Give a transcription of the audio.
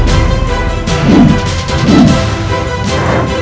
tidak ada apa apa